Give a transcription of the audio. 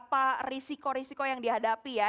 jadi ini kita lihat ya ini itu bukan dua dua rusaknya ya